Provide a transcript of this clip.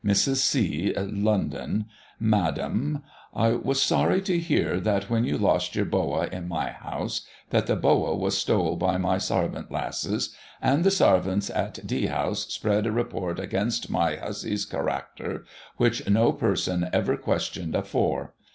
Mrs. C , London, " Madum, — I was sorry to heer that when you lost your Bowa in my huse, that the Bowa was stole by my sarvant lasses ; and the sarvants at D House spred a report against my buses karakter, which no person ever questioned afore.